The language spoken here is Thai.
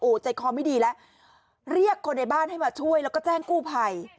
ใจคอไม่ดีแล้วเรียกคนในบ้านให้มาช่วยแล้วก็แจ้งกู้ภัย